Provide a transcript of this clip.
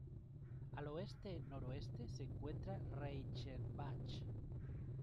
Al oeste-noroeste se encuentra Reichenbach.